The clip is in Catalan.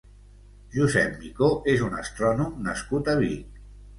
Josep Micó és un astrònom nascut a Vic.